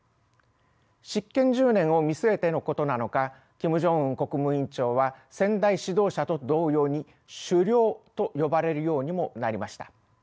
執権１０年を見据えてのことなのかキム・ジョンウン国務委員長は先代指導者と同様に「首領」と呼ばれるようにもなりました。